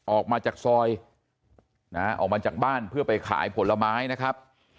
ออกมาจากซอยออกมาจากบ้านเพื่อไปขายผลไม้นะครับ